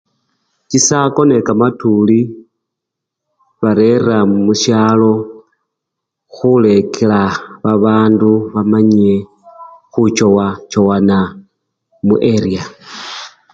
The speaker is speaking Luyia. chisako ne kamatuli barera mushalo khulekela babandu bamanye khuchowachowana mu eriya